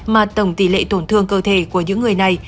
mà tổng tỷ lệ tổn thương cơ thể của những người này